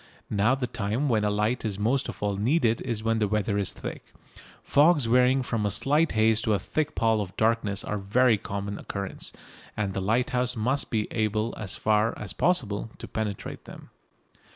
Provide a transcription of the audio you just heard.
Now the time when a light is most of all needed is when the weather is thick. Fogs varying from a slight haze to a thick pall of darkness are of very common occurrence, and the lighthouse light must be able as far as possible to penetrate them.